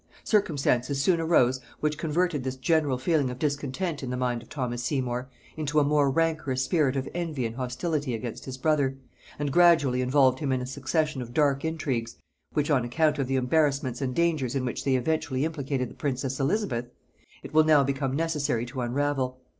Circumstances soon arose which converted this general feeling of discontent in the mind of Thomas Seymour into a more rancorous spirit of envy and hostility against his brother, and gradually involved him in a succession of dark intrigues, which, on account of the embarrassments and dangers in which they eventually implicated the princess Elizabeth, it will now become necessary to unravel.